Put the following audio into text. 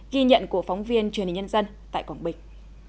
ghi nhận của phóng viên truyền hình nhân dân tại quảng bình